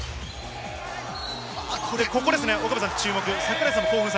ここですね、岡部さん注目。